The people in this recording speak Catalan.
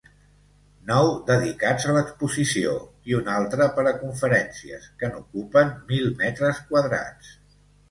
Nou dedicats a l'exposició i un altre per a conferències, que n'ocupen mil metres quadrats.